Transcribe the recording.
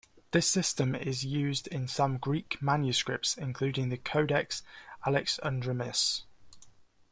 This system is used in some Greek manuscripts including the Codex Alexandrinus.